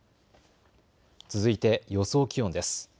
続いて予想気温です。